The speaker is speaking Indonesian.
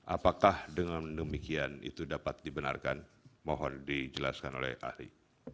apakah dengan demikian itu dapat dibenarkan mohon dijelaskan oleh ahli